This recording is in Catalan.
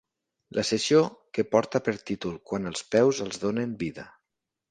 La sessió, que porta per títol Quan els peus els donen vida.